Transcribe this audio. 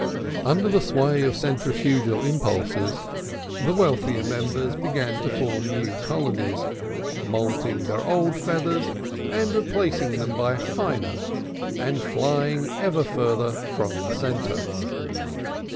Under the sway of centrifugal impulses, the wealthier members began to form new colonies, moulting their old feathers and replacing them by finer, and flying ever further from the centre.